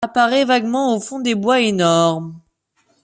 Apparaît vaguement au fond des bois énormes.